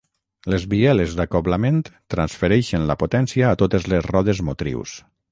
Les bieles d'acoblament transfereixen la potència a totes les rodes motrius.